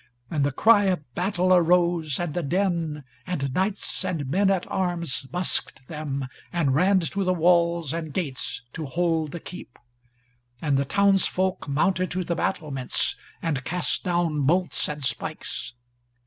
And the cry of battle arose, and the din, and knights and men at arms busked them, and ran to walls and gates to hold the keep. And the towns folk mounted to the battlements, and cast down bolts and pikes.